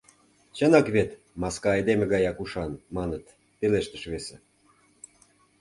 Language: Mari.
Чынак вет, маска айдеме гаяк ушан, маныт, — пелештыш весе.